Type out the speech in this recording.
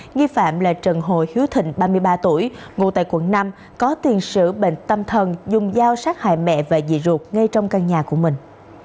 nghi phạm là trần hồ hiếu thịnh ba mươi ba tuổi ngụ tại quận năm có tiền sử bệnh tâm thần dùng dao sát hại mẹ và dị ruột ngay trong căn nhà của mình